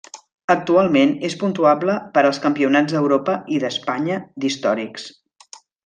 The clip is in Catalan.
Actualment és puntuable per als Campionats d'Europa i d'Espanya d'Històrics.